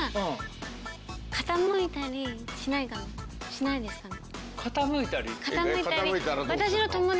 しないですかね？